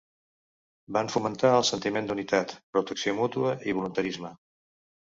Van fomentar el sentiment d'unitat, protecció mútua i voluntarisme.